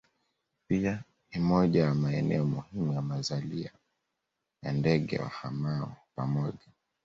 Pia ni moja ya maeneo muhimu ya mazalia ya ndege wahamao pamoja